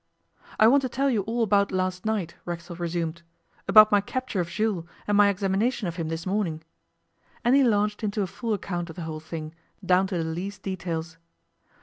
'I want to tell you all about last night,' Racksole resumed, 'about my capture of Jules, and my examination of him this morning.' And he launched into a full account of the whole thing, down to the least details.